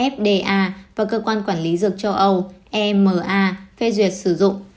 fda và cơ quan quản lý dược châu âu ema phê duyệt sử dụng